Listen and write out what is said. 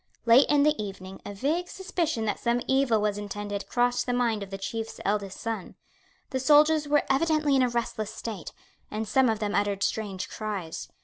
Late in the evening a vague suspicion that some evil was intended crossed the mind of the Chief's eldest son. The soldiers were evidently in a restless state; and some of them uttered strange cries.